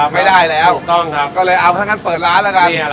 ไม่ได้แล้วก็เลยเอาทั้งเปิดร้านแล้วกัน